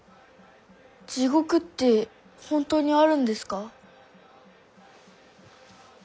地獄って本当にあるんですか？